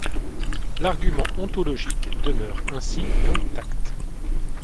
L'argument ontologique demeure ainsi intact.